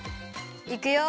いくよ！